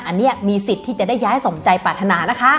อันนี้มีสิทธิ์ที่จะได้ย้ายสมใจปรารถนานะคะ